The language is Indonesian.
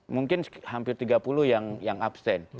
mungkin hampir tiga puluh yang absen